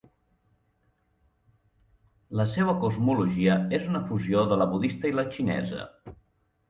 La seua cosmologia és una fusió de la budista i la xinesa.